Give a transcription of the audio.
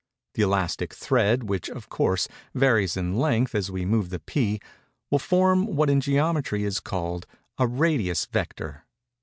The elastic thread, which, of course, varies in length as we move the pea, will form what in geometry is called a radius vector.